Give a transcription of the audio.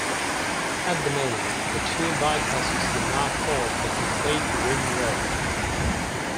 At the moment, the two bypasses do not form a complete ring road.